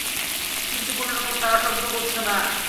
কিন্তু কোনো রকম সাড়াশব্দ করছে না।